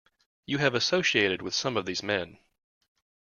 You have associated with some of these men.